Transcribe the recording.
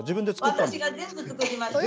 私が全部作りました。